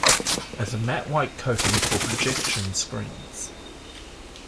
As a matte white coating for projection screens.